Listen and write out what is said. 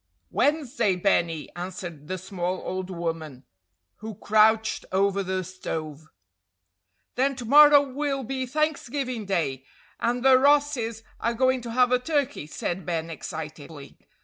"Wednesday, Benny," answered the small old woman who crouched over the stove. "Then to morrow will be Thanksgiving day, and the Rosses are going to have a turkey," said Ben, excitedly.